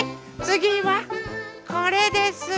つぎはこれです。